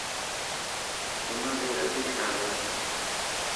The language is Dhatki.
سمن ري رتي شال هي.